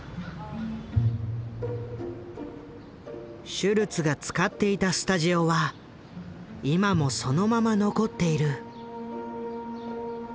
シュルツが使っていたスタジオは今もそのまま残っている。